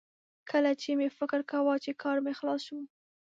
کله چې مې فکر کاوه چې کار مې خلاص شو